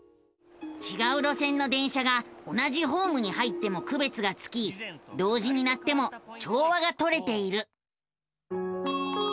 ちがう路線の電車が同じホームに入ってもくべつがつき同時に鳴っても調和がとれている。